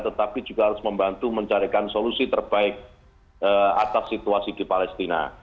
tetapi juga harus membantu mencarikan solusi terbaik atas situasi di palestina